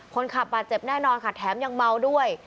คนขับบาดเจ็บแน่นอนค่ะแถมยังเมาด้วย